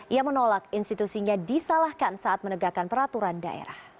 ia menolak institusinya disalahkan saat menegakkan peraturan daerah